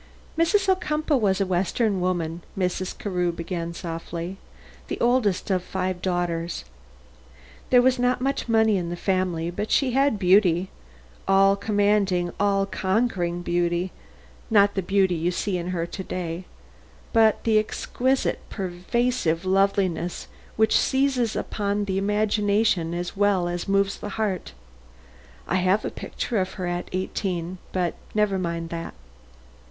"Mrs. Ocumpaugh was a western woman," Mrs. Carew began softly; "the oldest of five daughters. There was not much money in the family, but she had beauty, a commanding, all conquering beauty; not the beauty you see in her to day, but that exquisite, persuasive loveliness which seizes upon the imagination as well as moves the heart. I have a picture of her at eighteen but never mind that."